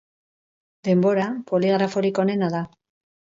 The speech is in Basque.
Denbora, poligraforik onena da.